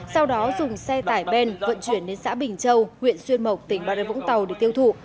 sau đó dùng xe tải ben vận chuyển đến xã bình châu huyện xuyên mộc tỉnh bà rê vũng tàu để tiêu thụ